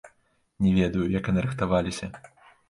Не ведаю, як яны рыхтаваліся.